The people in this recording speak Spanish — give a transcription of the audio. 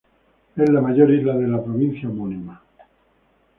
Es la mayor isla de la provincia homónima.